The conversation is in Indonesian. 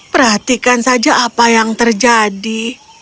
perhatikan saja apa yang terjadi